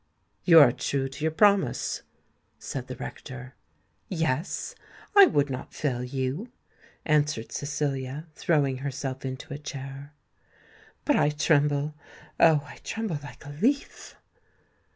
"You are true to your promise," said the rector. "Yes—I would not fail you," answered Cecilia, throwing herself into a chair: "but I tremble—oh! I tremble like a leaf."